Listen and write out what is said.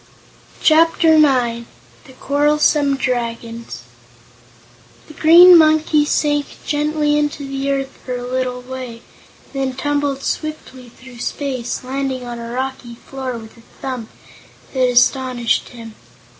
Chapter Nine The Quarrelsome Dragons The Green Monkey sank gently into the earth for a little way and then tumbled swiftly through space, landing on a rocky floor with a thump that astonished him.